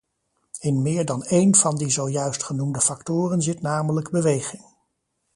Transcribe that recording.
In meer dan één van de zojuist genoemde factoren zit namelijk beweging.